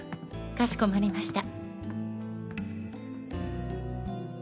かしこまりました。